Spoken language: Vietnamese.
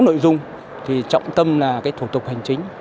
sáu nội dung trọng tâm là thủ tục hành chính